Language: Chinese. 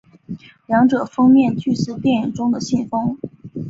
两者封面俱似电影中的信封。